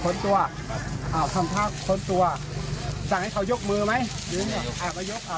มันยิ่งสับทายตัวจะง่ายมาก